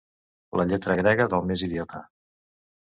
La lletra grega del més idiota.